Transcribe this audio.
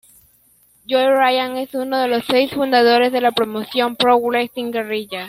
Joey Ryan es uno de los seis fundadores de la promoción Pro Wrestling Guerrilla.